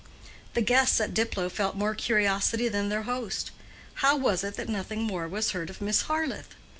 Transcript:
The guests at Diplow felt more curiosity than their host. How was it that nothing more was heard of Miss Harleth?